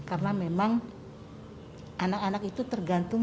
karena memang anak anak itu tergantung